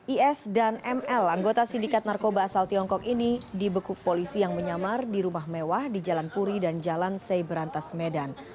is dan ml anggota sindikat narkoba asal tiongkok ini dibekuk polisi yang menyamar di rumah mewah di jalan puri dan jalan sei berantas medan